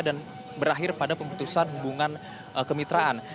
dan berakhir pada pembentusan hubungan kemitraan